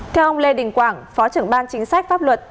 theo ông lê đình quảng phó trưởng ban chính sách pháp luật